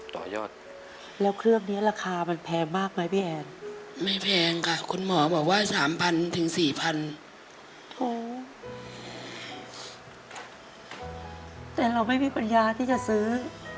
โถแต่เราไม่มีปัญญาที่จะซื้อ